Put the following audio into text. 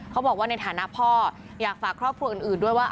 เขาบอกว่าในฐานะพ่ออยากฝากครอบครัวอื่นด้วยว่า